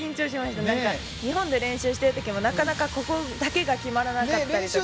日本で練習している時もなかなかここだけが決まらなかったから。